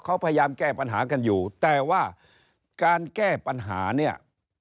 เขาพยายามแก้ปัญหากันอยู่แต่ว่าการแก้ปัญหาเนี่ย